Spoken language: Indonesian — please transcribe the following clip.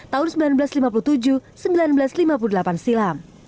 tahun seribu sembilan ratus lima puluh tujuh seribu sembilan ratus lima puluh delapan silam